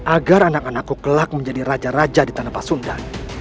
agar anak anakku kelak menjadi raja raja di tanah pasunda